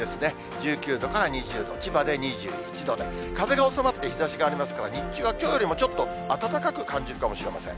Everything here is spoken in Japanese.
１９度から２０度、千葉で２１度で、風が収まって日ざしがありますから、日中はきょうよりもちょっと暖かく感じるかもしれません。